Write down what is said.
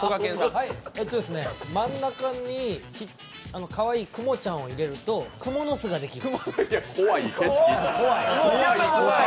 真ん中にかわいいくもちゃんを入れるとくもの巣ができる。